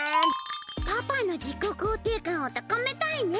パパの自己肯定感をたかめたいね。